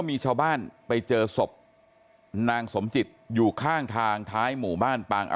มีชาวบ้านไปเจอศพนางสมจิตอยู่ข้างทางท้ายหมู่บ้านปาง